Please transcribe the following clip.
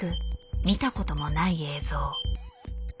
見た事もない映像。